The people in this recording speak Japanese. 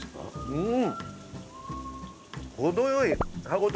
うん！